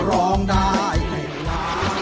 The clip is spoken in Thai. ร้องได้ให้ด่าม